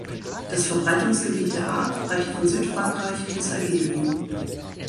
Das Verbreitungsgebiet der Art reicht von Südfrankreich bis Algerien.